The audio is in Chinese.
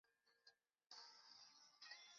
病毒庞大的基因组就在这个区域之中。